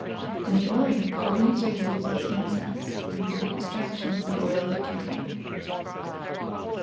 In the Orient the leaves are used as incense and for the extraction of the oil they contain.